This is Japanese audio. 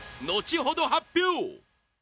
後ほど発表！